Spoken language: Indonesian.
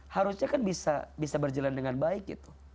harusnya kan bisa berjalan dengan baik gitu